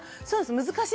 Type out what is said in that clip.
難しい。